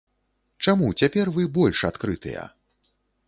Чаму цяпер вы больш адкрытыя?